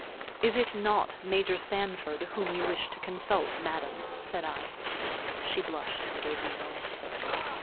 "Is it not Major Sanford whom you wish to consult, madam?" said I. She blushed, and gave me no answer.